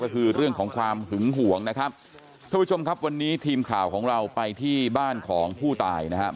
ก็คือเรื่องของความหึงห่วงนะครับทุกผู้ชมครับวันนี้ทีมข่าวของเราไปที่บ้านของผู้ตายนะครับ